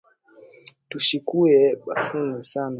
Tushikuye bazaifu sana mu kaji yaku rima